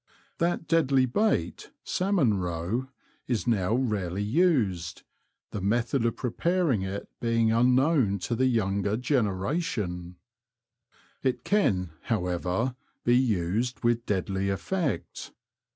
That deadly bait, salmon row, is now rarely used, the method of preparing it being unknown to the younger The Confessions of a ^'Poacher, 105 generation. It can, however, be used with deadly effect.